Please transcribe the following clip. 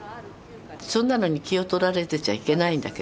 そんなのに気を取られてちゃいけないんだけど。